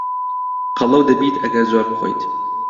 قەڵەو دەبیت ئەگەر زۆر بخۆیت.